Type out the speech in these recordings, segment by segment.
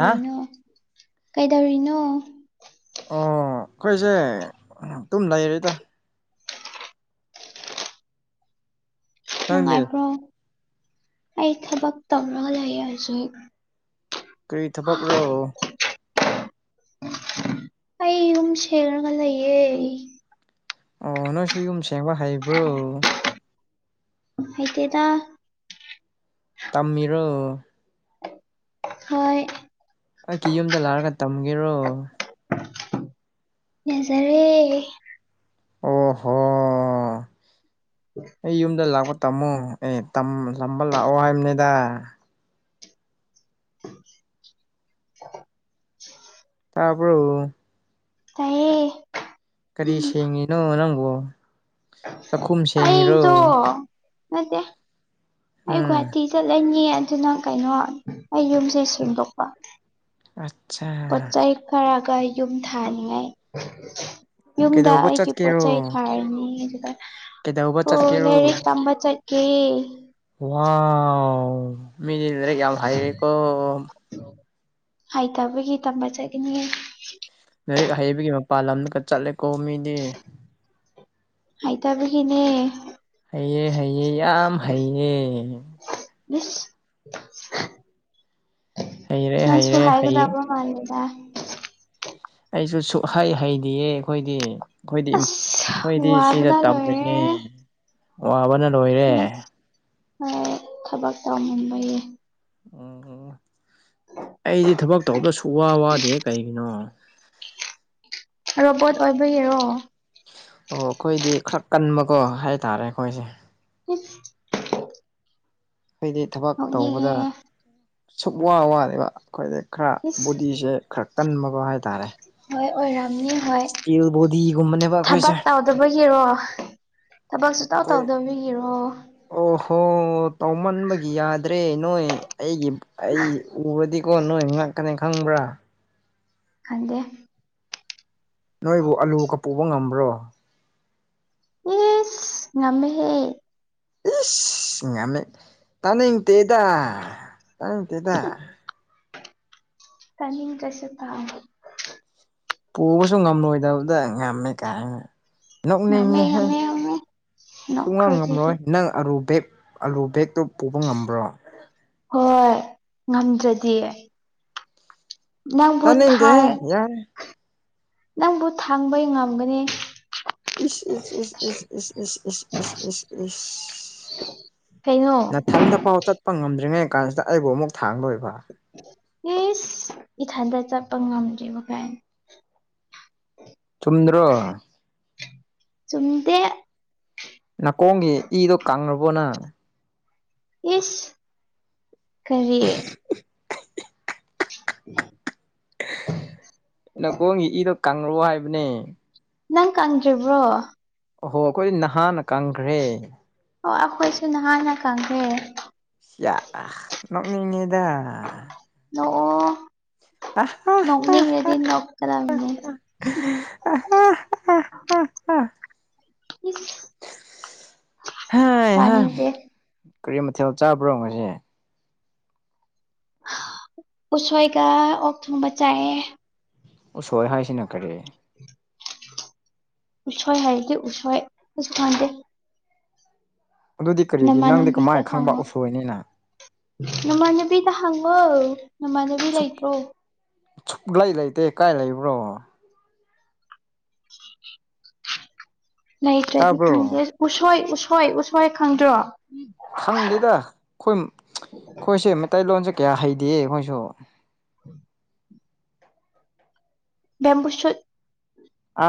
ꯍꯥ ꯀꯩꯗꯧꯔꯤꯅꯣ ꯑꯣ ꯑꯩꯈꯣꯏꯁꯦ ꯑꯗꯨꯝ ꯂꯩꯔꯤꯗ ꯅꯪꯗꯤ ꯅꯨꯡꯉꯥꯏꯕ꯭ꯔꯣ ꯑꯩ ꯊꯕꯛ ꯇꯧꯔꯒ ꯂꯩ ꯍꯧꯖꯤꯛ ꯀꯔꯤ ꯊꯕꯛꯔꯣ ꯑꯩ ꯌꯨꯝ ꯁꯦꯡꯔꯒ ꯂꯩꯌꯦ ꯑꯣ ꯅꯣꯏꯁꯨ ꯌꯨꯝ ꯁꯦꯡꯕ ꯍꯩꯕ꯭ꯔꯣ ꯍꯩꯇ‌ꯦꯗꯥ ꯇꯝꯃꯤꯔꯣ ꯍꯣꯏ ꯑꯩꯒꯤ ꯌꯨꯝꯗ ꯂꯥꯛꯑꯒ ꯇꯝꯒꯦꯔꯣ ꯌꯖꯥꯔ‌ꯦ ꯑꯣꯍꯣ ꯎ [unintelligible] ꯑꯩ ꯌꯨꯝꯗ ꯂꯥꯛꯄ ꯇꯝꯃꯣ ꯑꯦ ꯇꯝꯕ ꯂꯥꯛꯑꯣ ꯍꯥꯏꯕꯅꯤꯗ ꯎ [inaudible] ꯇꯥꯕ꯭ꯔꯣ ꯇꯥꯏꯌꯦ ꯀꯔꯤ ꯁꯦꯡꯉꯤꯅꯣ ꯅꯪꯕꯨ ꯆꯥꯛꯈꯨꯝ ꯁꯦꯡꯉꯤꯔꯣ ꯑꯩꯗꫭ ꯅꯠꯇ‌ꯦ ꯑꯩ ꯎꯝ ꯍꯥꯇꯤ [unintelligible] ꯆꯠꯂꯅꯤ ꯑꯗꯨꯅ ꯀꯩꯅꯣ ꯑꯩ ꯌꯨꯝꯁꯦ ꯁꯦꯡꯗꯣꯛꯄ ꯑꯆꯥ ꯄꯣꯠ ꯆꯩꯩ ꯈꯔꯒ ꯌꯨꯝ ꯊꯥꯅꯤꯉꯥꯏ ꯌꯨꯝꯗ ꯀꯩꯗꯧꯕ ꯑꯩꯒꯤ ꯄꯣꯠ ꯆꯠꯀꯦꯔꯣ ꯆꯩꯩ ꯊꯥꯔꯤꯅꯤ ꯑꯗꯨꯒ ꯀꯩꯗꯧꯕ ꯍꫭ ꯆꯠꯀꯦꯔꯣ ꯂꯥꯏꯔꯤꯛ ꯇꯝꯕ ꯆꯠꯀ‌ꯦ ꯋꯥꯎ ꯃꯤꯗꯤ ꯂꯥꯏꯔꯤꯛ ꯌꯥꯝ ꯍꯩꯔ‌ꯦꯀꫭ ꯍꯩꯇꯕꯒꯤ ꯇꯝꯕ ꯆꯠꯂꯤꯅꯤ ꯂꯥꯏꯔꯤꯛ ꯍꯩꯕꯒꯤ ꯃꯄꯥꯟ ꯂꯝꯗꯒ ꯆꯠꯂꯦꯀꯣ ꯃꯤꯗꯤ ꯍꯥꯏꯇꯥꯕꯤꯒꯤꯅꯦ ꯍꯩꯌꯦ ꯍꯩꯌꯦ ꯌꯥꯝ ꯍꯩꯌꯦ ꯏꯁ ꯍꯩꯔꯦ ꯅꯪꯁꯨ ꯍꯩꯔꯦ ꯍꯩꯌꯦ ꯍꯥꯏꯒꯗꯕ꯭ꯔꯣ [unintelligible] ꯑꯩꯁꯨ ꯁꯨꯛꯍꯩ ꯍꯩꯗꯤꯌꯦ ꯑꯩꯈꯣꯏꯗꯤ ꯑꯈꯣꯏꯗꯤ ꯑꯁ ꯑꯩꯈꯣꯏꯗꯤ ꯁꯤꯗ ꯋꯥꯕꯅ ꯇꯝꯔꯤꯅꯦ ꯂꯣꯏꯔꯦ ꯋꯥꯕꯅ ꯂꯣꯏꯔꯦ ꯍꯣꯏ ꯊꯕꯛ ꯇꯧꯅꯤꯡꯕꯒꯤ ꯑꯩꯗꯤ ꯊꯕꯛ ꯇꯧꯕꯗ ꯁꯨ ꯋꯥ ꯋꯥꯗꯦꯍꯦ ꯀꯩꯒꯤꯅꯣ ꯔꯣꯕꯣꯠ ꯑꯣꯏꯕꯩꯔꯣ ꯑꯣ ꯑꯈꯣꯏꯗꯤ ꯈꯔ ꯀꯟꯕꯀꯣ ꯍꯥꯏꯇꯥꯔꯦ ꯑꯈꯣꯏꯁꯦ ꯏꯁ ꯑꯩꯈꯣꯏꯗꯤ ꯊꯕꯛ ꯇꯧꯕꯗ ꯅꯣꯛꯅꯤꯡꯉꯦ ꯁꯨꯛ ꯋꯥ ꯋꯥꯗꯦꯕ ꯑꯈꯣꯏꯗꯤ ꯈꯔ ꯏꯁ ꯕꯣꯗꯤꯁꯦ ꯈꯔ ꯀꯟꯕꯒꯣ ꯍꯥꯏꯇꯥꯔꯦ ꯍꯣꯏ ꯑꯣꯏꯔꯥꯝꯅꯤ ꯍꯣꯏ ꯏꯁꯇꯤꯜ ꯕꯣꯗꯤꯒꯨꯝꯕꯅꯦꯕ ꯑꯩꯈꯣꯏꯁꯦ ꯊꯕꯛ ꯇꯧ ꯑꯩꯈꯣꯏ ꯇꯧꯗꯕꯒꯤꯔꯣ ꯊꯕꯛ ꯁꯨꯛꯇꯥꯎ ꯇꯥꯎꯗꯕꯒꯤꯔꯣ ꯑꯣꯍꯣ ꯇꯧꯃꯟꯕꯒꯤ ꯌꯥꯗ꯭ꯔꯦ ꯅꯣꯏ ꯑꯩꯒꯤ ꯑꯩ ꯎꯔꯗꯤꯀꯣ ꯅꯣꯏ ꯉꯛꯀꯅꯤ ꯈꯪꯕ꯭ꯔꯥ ꯈꯟꯗꯦ ꯅꯣꯏꯕꯨ ꯑꯂꯨꯒ ꯄꯨꯕ ꯉꯝꯕ꯭ꯔꯣ ꯏꯁ ꯉꯝꯃꯦ ꯍꯦ ꯏꯁ ꯉꯝꯃꯦ ꯇꯥꯅꯤꯡꯇꯦꯗ ꯇꯥꯅꯤꯡꯇꯦꯗ ꯇꯅꯤꯡꯗꯔꯁꯨ ꯇꯥꯎ ꯄꯨꯕꯁꯨ ꯉꯝꯂꯣꯏꯗꯕꯗ ꯉꯝꯃꯦ ꯀꯥꯏꯅ ꯉꯝꯃꯦ ꯅꯧꯅꯤꯡꯉꯤꯍꯦ ꯉꯝꯃꯦ ꯉꯝꯃꯦ ꯅꯣꯛꯈ꯭ꯔꯣ ꯁꯨꯉꯥꯝ ꯑꯗꯨꯗꯤ ꯉꯝꯔꯣꯏ ꯅꯪ ꯑꯥꯔꯨ ꯕꯦꯛ ꯑꯥꯂꯨ ꯕꯦꯒꯛꯇꯣ ꯄꯨꯕ ꯉꯝꯕ꯭ꯔꯣ ꯍꯣꯏ ꯉꯝꯗ꯭ꯔꯗꯤ ꯅꯪꯕꯨ ꯇꯥꯅꯤꯡꯗꯦꯍꯦ ꯊꯥꯏ ꯌꯥꯔꯦ ꯅꯪꯕꯨ ꯊꯥꯡꯕꯩ ꯉꯝꯒꯅꯤ ꯏꯁ ꯏꯁ ꯏꯁ ꯏꯁ ꯏꯁ ꯏꯁ ꯏꯁ ꯏꯁ ꯏꯁ ꯏꯁ ꯀꯩꯅꯣ ꯅꯊꯟꯗ ꯐꯥꯎ ꯆꯠꯄ ꯉꯝꯗ꯭ꯔꯤꯉꯩ ꯀꯥꯟꯁꯤꯗ ꯑꯩꯕꯨ ꯑꯃꯨꯛ ꯊꯥꯡꯗꯣꯏꯕ ꯏꯁ ꯏꯊꯟꯗ ꯆꯠꯄ ꯉꯝꯗꯔ꯭ꯤꯕ ꯒꯥꯏꯅ ꯆꯨꯝꯗ꯭ꯔꯣ ꯆꯨꯝꯗꯦ ꯅꯥꯀꯣꯡꯒꯤ ꯏꯗꯣ ꯀꯪꯔꯕꯣ ꯅꯪ ꯏꯁ ꯀꯔꯤ [unintelligible] [unintelligible] ꯅꯥꯀꯣꯡꯒꯤ ꯏꯗꯣ ꯀꯪꯔꯕꯣ ꯍꯥꯏꯕꯅꯦ ꯅꯪ ꯀꯪꯗ꯭ꯔꯤꯕ꯭ꯔꯣ ꯑꯣꯍꯣ ꯑꯩꯈꯣꯏꯗꯤ ꯅꯍꯥꯟꯅ ꯀꯪꯈ꯭ꯔꯦ ꯑꯣ ꯑꯩꯈꯣꯏꯁꯨ ꯅꯍꯥꯟꯅ ꯀꯪꯈ꯭ꯔꯦ ꯌꯥꯑ ꯅꯣꯛꯅꯤꯡꯉꯤꯗ ꯅꯣꯛꯑꯣ ꯅꯣꯛꯅꯤꯡꯉꯗꯤ ꯅꯣꯛꯀꯗꯕꯅꯦ [unintelligible] ꯏꯁ ꯍꯥꯏ ꯍꯥ ꯇꯥꯅꯤꯡꯗꯦ ꯀꯔꯤ ꯃꯊꯦꯜ ꯆꯥꯕ꯭ꯔꯣ ꯉꯁꯤ ꯎꯁꯣꯏꯒ ꯑꯣꯛ ꯊꯣꯡꯕ ꯆꯥꯏꯌꯦ ꯎꯁꯣꯏ ꯍꯥꯏꯁꯤꯅ ꯀꯔꯤ ꯎꯁꯣꯏ ꯍꯥꯏꯗꯤ ꯎꯁꯣꯏ ꯑꯩꯁꯨ ꯈꯪꯗꯦ ꯑꯗꯨꯗꯤ ꯀꯔꯤꯒꯤ ꯅꯪꯗꯤ ꯅꯃꯥꯟꯅꯕꯤꯗ ꯀꯃꯥꯏꯅ ꯈꯪꯕ ꯍꯪꯉꯣ ꯎꯁꯣꯏꯅꯤꯅ ꯅꯃꯥꯟꯅꯕꯤꯗ ꯍꯪꯉꯣ ꯅꯃꯥꯟꯅꯕꯤ ꯁꯨꯛ ꯂꯩꯇ꯭ꯔꯣ ꯁꯨꯛꯂꯩ ꯂꯩꯇꯦ ꯀꯥꯏ ꯂꯩꯕ꯭ꯔꯣ ꯂꯩꯇ꯭ꯔꯗꯤ ꯇꯥꯕ꯭ꯔꯣ ꯈꯪꯗꯦ ꯎꯁꯣꯏ ꯎꯁꯣꯏ ꯎꯁꯣꯏ ꯈꯪꯗ꯭ꯔꯣ ꯈꯪꯗꯦꯗ ꯑꯩꯈꯣꯏ ꯑꯩꯈꯣꯏꯁꯦ ꯃꯩꯇꯩꯂꯣꯟꯁꯦ ꯀꯌꯥ ꯍꯩꯇꯤꯌꯦ ꯑꯩꯈꯣꯏꯁꯨ [inaudible] ꯕꯦꯝꯕꯨꯨ ꯁꯨꯠ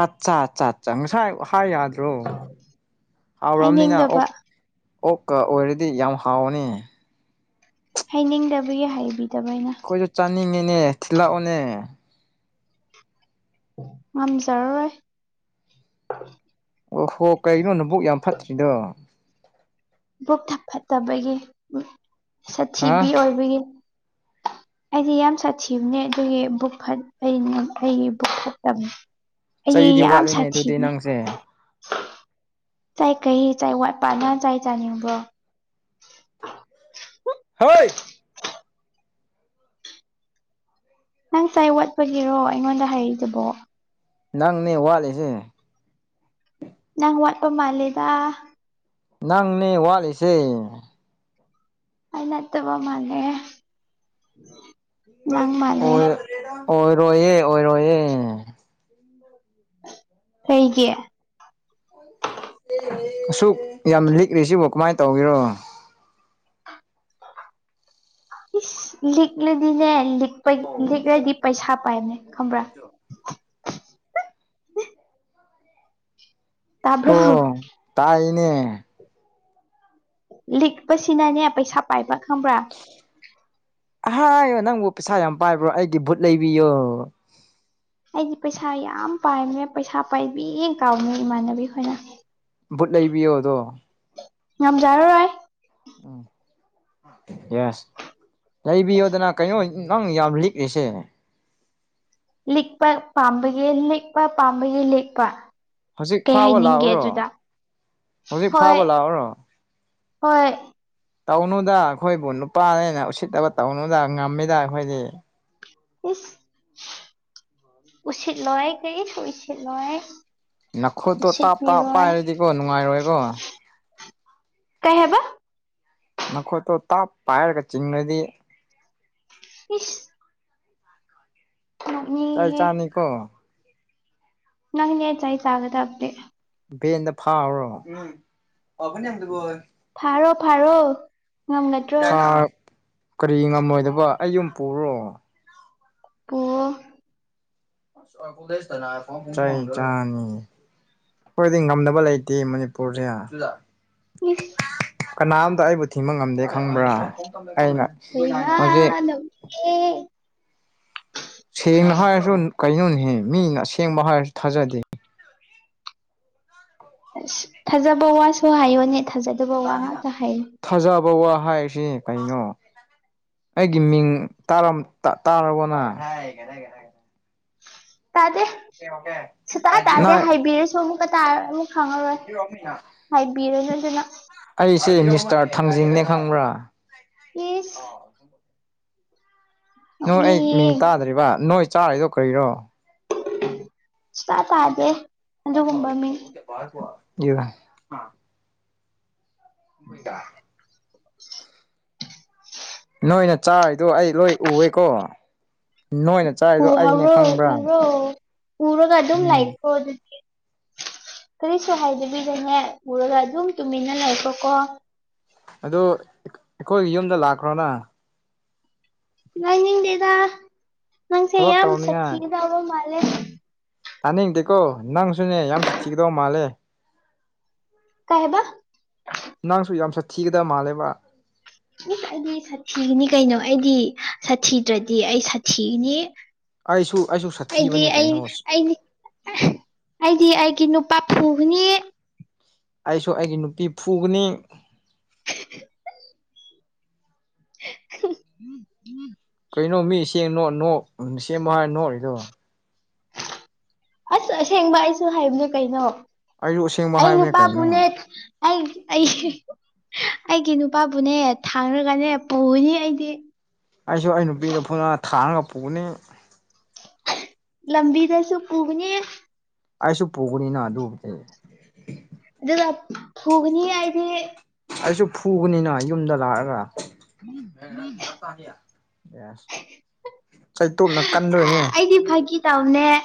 ꯑꯆꯥ ꯆꯥ ꯆꯥ ꯆꯥ ꯉꯥꯁꯥꯏ ꯍꯥꯏ ꯌꯥꯗ꯭ꯔꯣ ꯍꯥꯎꯔꯝꯅꯤꯅ ꯍꯥꯏꯅꯤꯡꯗꯕ ꯑꯣꯛ ꯑꯣꯛꯀ ꯑꯣꯏꯔꯗꯤ ꯌꯥꯝ ꯍꯥꯎꯕꯅꯦ ꯍꯥꯏꯅꯤꯡꯗꯕꯒꯤ ꯍꯥꯏꯕꯤꯗꯕ ꯑꯩꯅꯥ ꯑꯩꯈꯣꯏꯁꯨ ꯆꯥꯅꯤꯡꯉꯤꯅꯦ ꯊꯤꯜꯂꯛꯑꯣꯅꯦ ꯉꯝꯖꯔꯔꯣꯏ ꯑꯣ ꯍꯣ ꯀꯩꯒꯤꯅꯣ ꯅꯥꯕꯨꯛ ꯌꯥꯝ ꯐꯠꯇ꯭ꯔꯤꯗꯣ ꯕꯨꯛꯊꯥ ꯐꯠꯇꯕꯒꯤ ꯍꯥ ꯁꯥꯊꯤꯕꯤ ꯑꯣꯏꯕꯒꯤ ꯑꯩꯗꯤ ꯌꯥꯝ ꯁꯥꯊꯤꯕꯅꯦ ꯑꯗꯨꯒꯤ ꯕꯨꯛ ꯐꯠ ꯑꯩꯅ ꯑꯩꯒꯤ ꯕꯨꯛ ꯐꯠꯇꯕꯅꯦ ꯑꯩ ꯆꯩꯗꯤ ꯌꯥꯝ ꯋꯥꯠꯂꯤꯅꯦ ꯑꯗꯨꯗꯤ ꯁꯥꯊꯤꯕꯅꯦ ꯅꯪꯖꯦ ꯆꯩ ꯀꯩ ꯆꯩ ꯋꯥꯠꯄ ꯅꯪ ꯆꯩ ꯆꯥꯅꯤꯡꯕ꯭ꯔꯣ ꯍꯣꯏ ꯅꯪ ꯆꯥꯏ ꯋꯥꯠꯄꯒꯤꯔꯣ ꯑꯩꯉꯣꯟꯗ ꯍꯥꯏꯔꯛꯏꯗꯨꯕꯣ ꯅꯪꯅꯦ ꯋꯥꯠꯂꯤꯁꯦ ꯅꯪ ꯋꯥꯠꯄ ꯃꯥꯜꯂꯦꯗꯥ ꯅꯪꯅꯦ ꯋꯥꯠꯂꯤꯁꯦ ꯑꯩ ꯅꯠꯇꯕ ꯃꯥꯜꯂꯦ ꯅꯪ ꯃꯥꯜꯂꯦ ꯑꯣꯏ ꯑꯣꯏꯔꯣꯏꯌꯦ ꯑꯣꯏꯔꯣꯏꯌꯦ ꯀꯩꯒꯤ [inaudible] ꯑꯁꯨꯛ ꯌꯥꯝ ꯂꯤꯛꯔꯤꯁꯤꯕꯣ ꯀꯃꯥꯏ ꯇꯧꯒꯦꯔꯣ ꯏꯁ ꯂꯤꯛꯂꯗꯤꯅꯦ ꯂꯤꯛ ꯂꯤꯛꯂꯗꯤ ꯄꯩꯁꯥ ꯄꯥꯏꯕꯅꯦ ꯈꯪꯕ꯭ꯔꯥ ꯇꯥꯕ꯭ꯔꯣ ꯑꯣ ꯇꯥꯏꯅꯦ ꯂꯤꯛꯄꯁꯤꯅꯅꯦ ꯄꯩꯁꯥ ꯄꯥꯏꯕ꯭ꯔꯥ ꯈꯪꯕ꯭ꯔꯥ ꯑꯍꯥꯌꯣ ꯅꯪꯕꯨ ꯄꯩꯁꯥ ꯌꯥꯝ ꯄꯥꯏꯕ꯭ꯔꯣ ꯑꯩꯒꯤ ꯚꯨꯠ ꯂꯩꯕꯤꯌꯣ ꯑꯩꯗꯤ ꯄꯩꯁꯥ ꯌꯥꯝ ꯄꯥꯏꯕꯅꯦ ꯄꯩꯁꯥ ꯄꯥꯏꯕꯤ ꯀꯧꯕꯅꯦ ꯏꯃꯥꯟꯅꯕꯤ ꯈꯣꯏꯅ ꯕꯨꯠ ꯂꯩꯕꯤꯌꯣ ꯑꯗꯣ ꯉꯝꯖꯔꯔꯣꯏ ꯎꯝ ꯌꯦꯁ ꯂꯩꯕꯤꯌꯣꯗꯅ ꯀꯩꯅꯣ ꯅꯪ ꯌꯥꯝ ꯂꯤꯛꯂꯤꯁꯦ ꯂꯤꯛꯄ ꯄꯥꯝꯕꯒꯤ ꯂꯤꯛꯄ ꯄꯥꯝꯕꯒꯤ ꯂꯤꯛꯄ ꯍꯧꯖꯤꯛ ꯀꯩ ꯐꯥꯕ ꯍꯥꯏꯅꯤꯡꯒꯦ ꯂꯥꯛꯎꯔꯣ ꯑꯗꯨꯗ ꯍꯧꯖꯤꯛ ꯍꯣꯏ ꯐꯥꯕ ꯂꯥꯛꯎꯔꯣ ꯍꯣꯏ ꯇꯧꯅꯨꯗ ꯑꯩꯈꯣꯏꯕꯨ ꯅꯨꯄꯥꯅꯦꯅ ꯎꯁꯤꯠꯇꯕ ꯇꯧꯅꯨꯗ ꯉꯝꯃꯤꯗ ꯑꯩꯈꯣꯏꯗꯤ ꯏꯁ ꯎꯁꯤꯠꯂꯣꯏ ꯀꯔꯤꯁꯨ ꯎꯏꯁꯤꯠꯂꯣꯏ ꯅꯈꯨꯠꯇꯣ ꯇꯥꯞ ꯇꯥꯞ ꯄꯥꯏꯔꯗꯤꯀꯣ ꯅꯨꯡꯉꯥꯏꯔꯣꯏꯀꯣ ꯀꯩ ꯍꯥꯢꯕ ꯅꯈꯨꯠꯇꯣ ꯇꯥꯞ ꯄꯥꯏꯔꯒ ꯆꯤꯡꯉꯗꯤ ꯢꯁ ꯆꯩ ꯅꯣꯛꯅꯤꯡꯉꯤꯍꯦ ꯆꯅꯤꯀꯣ ꯅꯪ ꯅꯦ ꯆꯩ ꯆꯥꯒꯗꯕꯗꯤ ꯚꯦꯟꯗ ꯐꯥꯎꯔꯣ ꯐꯥꯔꯣ ꯐꯥꯔꯣ ꯉꯝꯒꯗ꯭ꯔꯣ ꯀꯔꯤ ꯉꯝꯃꯣꯏꯗꯕ ꯑꯩ ꯌꯨꯝ ꯄꯨꯔꯣ ꯄꯨꯑꯣ ꯆꯩ ꯆꯥꯅꯤ ꯑꯩꯈꯣꯏꯗꯤ ꯉꯝꯗꯕ ꯂꯩꯇꯦ ꯃꯅꯤꯄꯨꯔꯁꯦ ꯏꯁ ꯀꯅꯥꯝꯇ ꯑꯩꯕꯨ ꯊꯤꯡꯕ ꯉꯝꯗꯦ ꯈꯪꯕ꯭ꯔꯥ ꯑꯩꯅ ꯍꯧꯖꯤꯛ ꯑꯦ ꯁꯦꯡꯅ ꯍꯥꯏꯔꯁꯨ ꯀꯩꯅꯣꯅꯦ ꯃꯤꯅ ꯑꯁꯦꯡꯕ ꯍꯥꯏꯔꯁꯨ ꯊꯥꯖꯗꯦ ꯑꯁ ꯊꯥꯖꯕ ꯋꯥꯁꯨ ꯍꯥꯏꯌꯣꯅꯦ ꯊꯥꯖꯗꯕ ꯋꯥ ꯉꯥꯛꯇ ꯍꯥꯏꯌꯨ ꯊꯥꯖꯕ ꯋꯥ ꯍꯥꯏꯁꯤ ꯀꯩꯅꯣ ꯑꯩꯒꯤ ꯃꯤꯡ ꯇꯥꯔꯕꯣ ꯅꯪ ꯁꯨꯡꯇꯥ ꯇꯥꯗꯦ ꯁꯨꯡꯇꯥ ꯇꯥꯗꯦ ꯅꯪ ꯍꯥꯏꯕꯤꯔꯁꯨ ꯑꯃꯨꯛ ꯇꯥꯔꯣꯏ ꯑꯃꯨꯛ ꯈꯪꯉꯔꯣꯏ ꯍꯥꯏꯕꯤꯔꯁꯨ ꯑꯗꯨꯅ ꯑꯩꯁꯦ ꯃꯤꯁꯇꯔ ꯊꯥꯡꯖꯤꯡꯅꯦ ꯈꯪꯕ꯭ꯔꯥ ꯢꯁ ꯅꯣꯏ ꯑꯩ ꯅꯣꯛꯅꯤꯡꯉꯤꯌꯦ ꯃꯤꯡ ꯇꯥꯗ꯭ꯔꯤꯕ ꯅꯣꯏ ꯆꯥꯔꯤꯗꯣ ꯀꯔꯤꯔꯣ ꯁꯨꯡꯇꯥ ꯇꯥꯗꯦ ꯊ ꯑꯗꯨꯒꯨꯝꯕ ꯃꯤ [inaudible] ꯑꯣꯏꯣꯏꯇ [inaudible] [inaudible] ꯅꯣꯏꯅ ꯆꯥꯔꯤꯗꯣ ꯑꯩ ꯂꯣꯏ ꯎꯑꯦꯀꯣ ꯅꯣꯏꯅ ꯎ ꯆꯥꯔꯤꯗꯣ ꯑꯩꯅꯦ ꯍꯧꯔꯣ ꯈꯪꯕ꯭ꯔꯥ ꯎꯔꯣ ꯎꯔꯒ ꯑꯗꯨꯝ ꯎꯝ ꯂꯩꯈ꯭ꯔꯣ ꯑꯗꯨꯗꯤ ꯀꯔꯤꯁꯨ ꯍꯥꯏꯗꯕꯤꯗꯅꯦ ꯎꯔꯒ ꯑꯗꯨꯝ ꯇꯨꯃꯤꯟꯅ ꯂꯩꯈ꯭ꯔꯣ ꯒꯣ ꯑꯗꯨ ꯑꯩꯈꯣꯏꯒꯤ ꯌꯨꯝꯗ ꯂꯥꯛꯈ꯭ꯔꯣꯅ ꯂꯥꯏꯅꯤꯡꯗꯦꯗ ꯅꯪꯁꯦ ꯊꯕꯛ ꯌꯥꯝ ꯇꯧꯅꯤꯡꯉꯥꯏ ꯁꯥꯠꯊꯤꯒꯗꯕ ꯃꯥꯜꯂꯦ ꯇꯥꯅꯤꯡꯗꯦꯀꯣ ꯅꯪꯁꯨꯅꯦ ꯌꯥꯝ ꯁꯥꯊꯤꯒꯗꯧ ꯃꯥꯜꯂꯦ ꯀꯩ ꯍꯥꯢꯕ ꯅꯪꯁꯨ ꯌꯥꯝ ꯁꯥꯠꯊꯤꯒꯗꯕ ꯃꯥꯜꯂꯦꯕ ꯏꯁ ꯑꯩꯗꯤ ꯁꯥꯊꯤꯅꯤ ꯀꯩꯅꯣ ꯑꯩꯗꯤ ꯁꯥꯊꯤꯗ꯭ꯔꯗꯤ ꯑꯩ ꯁꯥꯊꯤꯅꯤ ꯑꯩꯁꯨ ꯑꯩꯁꯨ ꯑꯩꯗꯤ ꯁꯥꯊꯤꯕꯅꯦ ꯑꯩ ꯀꯩꯅꯣ ꯑꯩꯗꯤ ꯑꯩꯗꯤ ꯑꯩꯒꯤ ꯅꯨꯄꯥ ꯐꯨꯒꯅꯤ ꯑꯩꯁꯨ ꯑꯩꯒꯤ ꯅꯨꯄꯤ ꯐꯨꯒꯅꯤ [inaudible] ꯎꯝ ꯎꯝ [unintelligible] ꯀꯩꯅꯣ ꯃꯤ ꯁꯦꯡꯅꯣ ꯅꯣꯛ ꯁꯦꯝꯕ ꯍꯥꯏꯔ ꯅꯣꯛꯢꯗꯣ ꯑꯁ ꯑꯁꯦꯡꯕ ꯑꯩꯁꯨ ꯍꯥꯏꯕꯅꯦ ꯀꯩꯅꯣ ꯑꯩꯁꯨ ꯑꯁꯦꯡꯕ ꯑꯩ ꯍꯥꯏꯕꯅꯦ ꯀꯩꯅꯣ ꯅꯨꯄꯥꯕꯨꯅꯦ ꯑꯩ ꯑꯩ ꯑꯩꯒꯤ ꯅꯨꯄꯥꯕꯨꯅꯦ ꯊꯥꯡꯔꯒꯅꯦ ꯄꯨꯒꯅꯤ ꯑꯩꯗꯤ ꯑꯩꯁꯨ ꯑꯩ ꯅꯨꯄꯤꯗ ꯐꯨꯅ ꯊꯥꯔꯒ ꯄꯨꯒꯅꯤ ꯂꯂꯝꯕꯤꯗꯁꯨ ꯀꯨꯒꯅꯤ ꯑꯩꯁꯨ ꯄꯨꯕꯅꯤꯅ ꯑꯗꯨꯗꯤ ꯑꯗꯨꯒ ꯐꯨꯒꯅꯤ ꯍꯥꯏꯗꯤ ꯑꯩꯁꯨ ꯐꯨꯕꯅꯤꯅ ꯌꯨꯝꯗ ꯂꯥꯛꯑꯒ [unintelligible] ꯌꯦꯁ ꯆꯩꯇꯣꯅ ꯀꯟꯂꯣꯏꯅꯦ [unintelligible] ꯇꯧꯅꯦ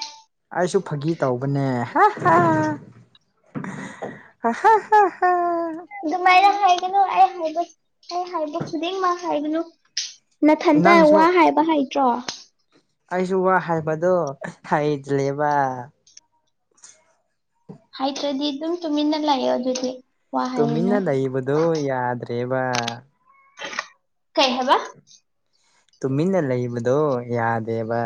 ꯑꯩꯁꯨ ꯐꯥꯒꯤ ꯇꯧꯕꯅꯦ [unintelligible] ꯍꯍ ꯍ ꯍꯥꯥ ꯑꯗꯨꯃꯥꯏꯅ ꯍꯥꯏꯒꯅꯨ ꯑꯩ ꯍꯥꯏꯕ ꯑꯩ ꯍꯥꯏꯕ ꯈꯨꯗꯤꯡꯃꯛ ꯍꯥꯏꯒꯅꯨ ꯅꯊꯟꯇ ꯅꯪꯁꯨ ꯋꯥ ꯍꯥꯏꯕ ꯍꯩꯇ꯭ꯔꯣ ꯑꯩꯁꯨ ꯋꯥ ꯍꯥꯏꯕꯗꯣ ꯍꯩꯗꯂꯦꯕ ꯍꯥꯏ ꯇ꯭ꯔꯗꯤ ꯑꯗꯨꯝ ꯇꯃꯤꯟꯅ ꯂꯥꯑꯦ ꯍꯧꯖꯤꯛꯗꯤ ꯇꯨꯃꯤꯟꯅ ꯂꯩꯕꯗꯣ ꯌꯥꯗ꯭ꯔꯦꯕ ꯀꯩ ꯍꯥꯏꯕ ꯇꯨꯃꯤꯟꯅ ꯂꯩꯕꯗꯣ ꯌꯥꯗꯦꯕ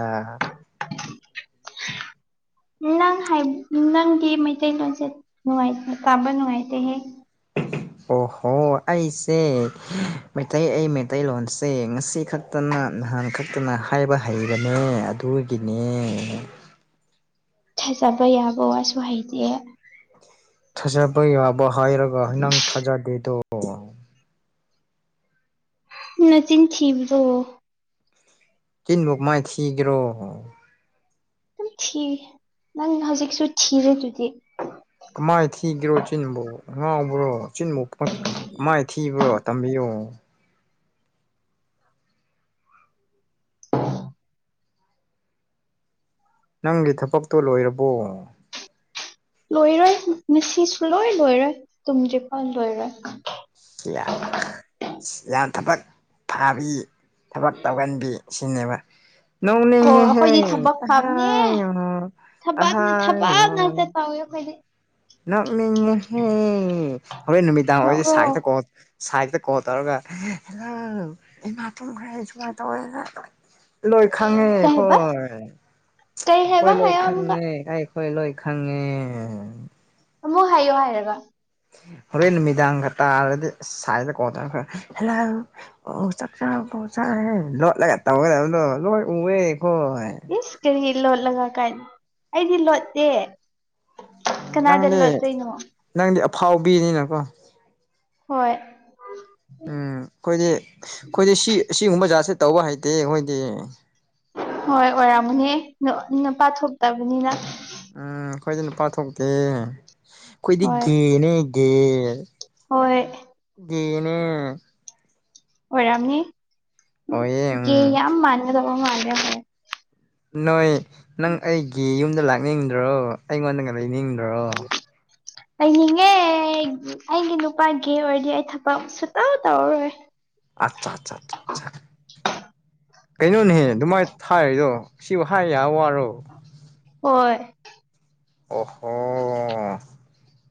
ꯅꯪ ꯅꯪꯒꯤ ꯃꯩꯇꯩꯂꯣꯟꯁꯦꯅꯨꯉꯥꯏꯇꯦ ꯇꯥꯕ ꯅꯨꯡꯉꯥꯏꯇꯦꯍꯦ ꯑꯣꯍꯣ ꯑꯩꯁꯦ ꯃꯩꯇꯩ ꯑꯩ ꯃꯩꯇꯩꯂꯣꯟꯁꯦ ꯉꯁꯤꯈꯛ ꯈꯛꯇꯅ ꯅꯍꯥꯟ ꯈꯛꯇꯅ ꯍꯥꯏꯕ ꯍꯩꯔꯃꯦ ꯑꯗꯨꯒꯤꯅꯦ ꯊꯥꯖꯥꯩ ꯑꯕꯧ ꯁꯍꯩꯗꯦ ꯊꯥꯖꯕ ꯌꯥꯕ ꯍꯥꯏꯔꯒ ꯅꯪ ꯊꯥꯖꯗꯦꯗꯣ ꯅꯆꯤꯟ ꯊꯤꯕꯗꯣ ꯇꯤꯟꯃꯛ ꯃꯥꯏ ꯊꯤꯒ꯭ꯔꯣ ꯑꯗꯨꯝ ꯊꯤꯔꯤ ꯅꯪ ꯍꯧꯖꯤꯛꯁꯨ ꯊꯤꯔꯦꯗꯨꯗꯤ ꯀꯃꯥꯏꯅ ꯊꯤꯒꯔꯣ ꯏꯆꯤꯟꯕꯨꯥꯎ ꯉꯥꯎꯕ꯭ꯔꯣ ꯆꯆꯤꯟꯕꯥꯎ ꯃꯥꯏ ꯊꯤꯕ꯭ꯔꯣ ꯇꯝꯕꯤꯌꯣ ꯅꯪꯒꯤ ꯊꯕꯛꯇꯣ ꯂꯣꯏꯔꯕꯣ ꯂꯣꯏꯔꯣꯏ ꯉꯁꯤꯁꯨ ꯂꯣꯏ ꯂꯣꯏꯔꯣꯏ ꯇꯨꯡꯗ꯭ꯔꯤꯐꯥꯎ ꯂꯣꯏꯔꯣꯏ ꯌꯥꯝ ꯊꯕꯛ ꯐꯥꯕꯤ ꯊꯕꯛ ꯇꯧꯒꯟꯕꯤ ꯁꯤꯅꯦꯕ ꯅꯣꯡ ꯍꯣ ꯑꯩꯈꯣꯏꯗꯤ ꯅꯅꯦꯍꯩ ꯑꯍꯥꯏ ꯊꯕꯅ ꯊꯕꯛꯅꯦꯛꯇ ꯇꯥꯎꯋꯦ ꯑꯩꯈꯣꯏꯗꯤ ꯅꯥꯡꯉꯦꯍꯦ ꯍꯣꯔꯦꯟ ꯅꯨꯃꯤꯗꯥꯡ ꯑꯣꯏꯁꯦ ꯅꯣꯛꯔꯣ ꯁꯥꯏꯇ ꯀꯣ ꯁꯥꯏꯗꯠꯇ ꯀꯣꯜ ꯇꯧꯔꯒ ꯍꯪ ꯏꯃꯥ ꯇꯨꯝꯈ꯭ꯔꯦ ꯁꯨꯃꯥꯏꯅ ꯇꯧꯋꯦ ꯂꯣꯏ ꯈꯥꯉꯦ ꯀꯩ ꯍꯥꯏꯕ ꯍꯣꯏ ꯀꯩ ꯍꯥꯏꯕ ꯑꯩ ꯂꯣꯏ ꯍꯥꯏꯌꯣ ꯑꯃꯨꯛꯀ ꯈꯪꯉꯦ ꯑꯩꯈꯣꯏ ꯂꯣꯏ ꯈꯪꯉꯦ ꯑꯃꯨꯛ ꯍꯥꯏꯌꯣ ꯍꯥꯏꯔꯒ ꯍꯣꯔꯦꯟ ꯅꯨꯃꯤꯗꯥꯡ ꯈꯔ ꯇꯥꯔꯗꯤ ꯁꯥꯏ ꯗ ꯀꯣꯜ ꯇꯧꯔꯒ ꯍꯜꯂꯣ ꯑꯣ ꯆꯥꯛꯆꯥꯥ ꯄꯧ ꯆꯔꯦ ꯂꯣꯠꯂꯒ ꯇꯧꯒꯗꯕꯗꯣ ꯂꯣꯏ ꯎꯑꯦ ꯀꯣ ꯏꯁ ꯀꯔꯤ ꯂꯣꯠꯂꯒ ꯀꯥꯏꯅ ꯑꯩꯗꯤ ꯂꯣꯠꯇꯦ ꯀꯅꯥꯗ ꯅꯪꯗꯤ ꯂꯠꯇꯣꯏꯅꯣ ꯅꯪꯗꯤ ꯑꯐꯥꯎꯕꯤꯅꯤꯅꯀꯣ ꯍꯣꯏ ꯎꯝ ꯑꯩꯈꯣꯏꯗꯤ ꯑꯩꯈꯣꯏꯗꯤ ꯁꯤ ꯑꯁꯤꯒꯨꯝꯕ ꯖꯥꯠꯁꯦ ꯇꯧꯕ ꯍꯩꯇꯦ ꯑꯩꯈꯣꯏꯗꯤ ꯍꯣꯏ ꯑꯣꯏꯔꯝꯃꯨꯅꯦ ꯅꯨꯄꯥ ꯊꯣꯛꯇꯕꯅꯤꯅ ꯎꯝ ꯑꯥꯈꯣꯏꯗꯤ ꯅꯄꯥꯊꯣꯛꯇꯦ ꯑꯩꯈꯣꯏꯗꯤ ꯍꯣꯏ ꯒꯦꯅꯦ ꯒꯦ ꯍꯣꯏ ꯒꯦꯅꯦ ꯑꯣꯏꯔꯝꯅꯤ ꯑꯣꯏꯌꯦ ꯒꯦ ꯎꯝ ꯌꯥꯝ ꯃꯥꯟꯒꯗꯧꯕ ꯃꯥꯥꯜꯂꯦꯕ ꯅꯣꯏ ꯅꯪ ꯑꯩꯒꯤ ꯌꯨꯝꯗ ꯂꯥꯛꯅꯤꯡꯗ꯭ꯔꯣ ꯑꯩꯉꯣꯟꯗꯒ ꯂꯩꯅꯤꯡꯗ꯭ꯔꯣ [inaudible] ꯂꯩꯅꯤꯡꯉꯦ ꯑꯩꯒꯤ ꯅꯨꯄꯥ ꯒꯦ ꯑꯣꯏꯔꯗꯤ ꯑꯩ ꯊꯕꯛ ꯁꯨꯛꯇꯧ ꯇꯧꯔ ꯔꯣꯏ ꯑꯆꯥ ꯆꯥ ꯆꯥ ꯆꯥ ꯀꯩꯅꯣꯅꯦꯍꯦ ꯑꯗꯨꯃꯥꯏꯅ ꯊꯥꯏꯔꯤꯗꯣ ꯁꯤꯕꯨ ꯍꯥꯏ ꯌꯥꯕ ꯋꯥꯔꯣ ꯍꯣꯏ ꯑꯣꯍꯣ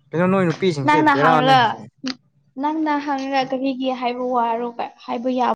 ꯀꯩꯅꯣ ꯅꯣꯏ ꯅꯨꯄꯤꯁꯤꯡꯁꯦ ꯅꯪꯅ ꯍꯪꯔꯒ ꯕꯦꯔꯥꯅꯤꯍꯦ ꯅꯪꯅ ꯍꯪꯉꯒ ꯀꯔꯤꯒꯤ ꯍꯥꯏꯕ ꯋꯥꯔꯣ ꯍꯥꯏꯕ ꯌꯥꯕ